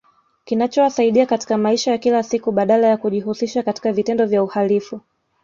Kinachowasaidia katika maisha ya kila siku badala ya kujihusisha katika vitendo vya uhalifu